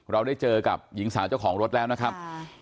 เราได้เจอกับหญิงสาวเจ้าของรถแล้วนะครับ